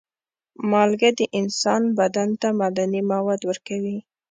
مالګه د انسان بدن ته معدني مواد ورکوي.